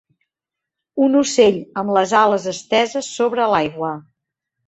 Un ocell amb les ales esteses sobre l'aigua.